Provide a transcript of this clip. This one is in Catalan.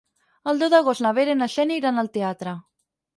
El deu d'agost na Vera i na Xènia iran al teatre.